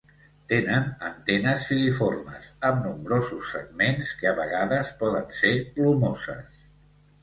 Tenen antenes filiformes amb nombrosos segments, que a vegades poden ser plomoses.